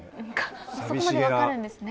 そこまで分かるんですね。